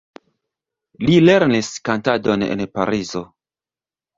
Li lernis kantadon en Parizo.